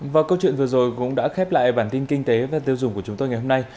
và câu chuyện vừa rồi cũng đã khép lại bản tin kinh tế và tiêu dùng của chúng tôi ngày hôm nay